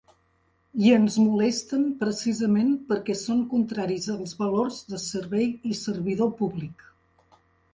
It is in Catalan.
I ens molesten, precisament, perquè son contraris als valors de servei i servidor públic.